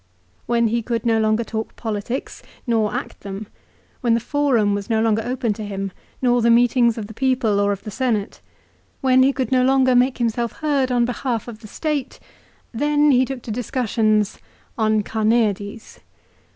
When he could no longer talk politics, nor act them ; when the Forum was no longer open to him, nor the meetings of the people or of the Senate, when he could no longer make himself heard on behalf of the State, then he took to discussions on Carneades.